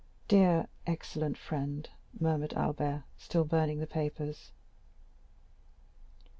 "Dear, excellent friend," murmured Albert, still burning the papers.